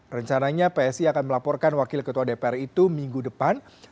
rencananya psi akan melaporkan wakil ketua dpr itu minggu depan